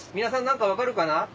皆さん何か分かるかな？